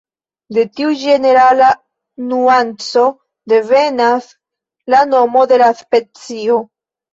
De tiu ĝenerala nuanco devenas la nomo de la specio.